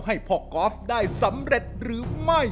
ให้พ่อกอล์ฟได้สำเร็จหรือไม่